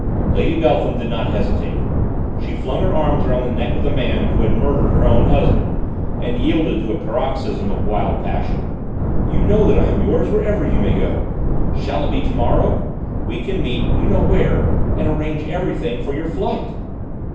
Lady Beltham did not hesitate. She flung her arms around the neck of the man who had murdered her own husband, and yielded to a paroxysm of wild passion. "You know that I am yours, wherever you may go. Shall it be to morrow? We can meet you know where and arrange everything for your flight."